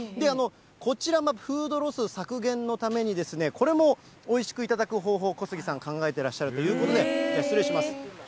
こちらもフードロス削減のために、これもおいしく頂く方法、小杉さん、考えてらっしゃるということで、失礼します。